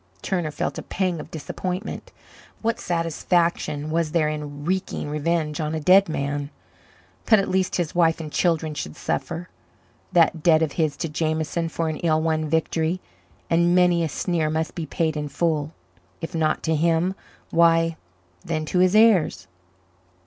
Turner felt a pang of disappointment. What satisfaction was there in wreaking revenge on a dead man? But at least his wife and children should suffer. That debt of his to Jameson for an ill won victory and many a sneer must be paid in full, if not to him, why, then to his heirs.